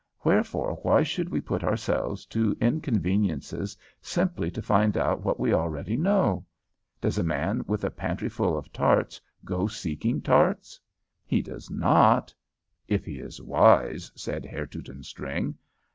Wherefore why should we put ourselves to inconveniences simply to find out what we already know? Does a man with a pantryful of tarts go seeking tarts? He does not " "If he is wise," said Herr Teutonstring.